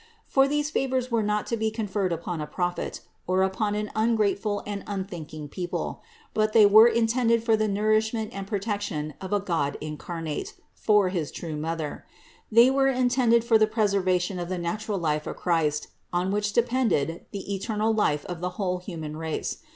For these favors were not to be conferred upon a prophet, or upon an ungrateful and unthinking people ; but they were intended for the nourishment and protection of a God incarnate, for his true Mother: they were intended for the preservation of the natural life of Christ, on which depended the eternal life of the whole human race.